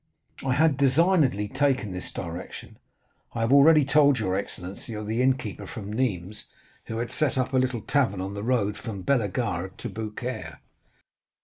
I had designedly taken this direction. I have already told your excellency of an innkeeper from Nîmes who had set up a little tavern on the road from Bellegarde to Beaucaire."